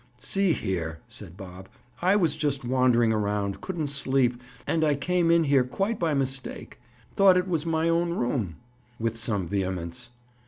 "See here," said Bob. "I was just wandering around—couldn't sleep—and—and I came in here, quite by mistake. Thought it was my own room!" With some vehemence.